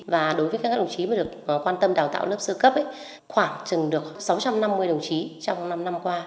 và đối với các đồng chí mà được quan tâm đào tạo lớp sơ cấp khoảng chừng được sáu trăm năm mươi đồng chí trong năm năm qua